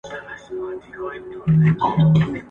آيا پر خاوند د ميرمني غوښتنه منل واجب دي؟